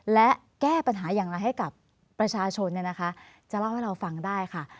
และแก้ปัญหาอย่างไรให้กับประชาชนจะเล่าให้เราฟังได้ค่ะ